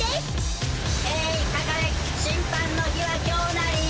審判の日は今日なり！